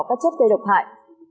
các chất cây độc hại